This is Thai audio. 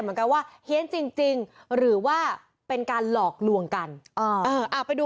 เหมือนกันว่าเฮียนจริงจริงหรือว่าเป็นการหลอกลวงกันไปดู